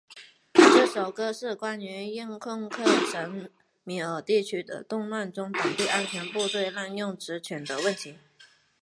这首歌是关于印控克什米尔地区的动乱中当地安全部队滥用职权的问题。